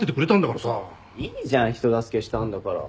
いいじゃん人助けしたんだから。